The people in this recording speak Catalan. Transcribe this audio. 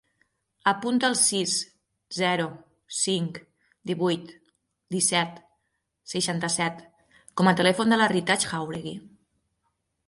Apunta el sis, zero, cinc, divuit, disset, seixanta-set com a telèfon de la Ritaj Jauregui.